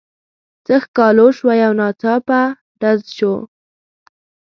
څه ښکالو شوه یو ناڅاپه ډز شو.